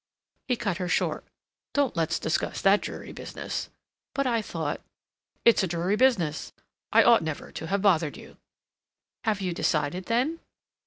He cut her short. "Don't let's discuss that dreary business." "But I thought—" "It's a dreary business. I ought never to have bothered you—" "Have you decided, then?"